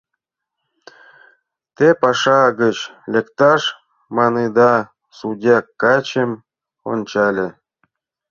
Те паша гыч лекташ маныда, — судья качым ончале.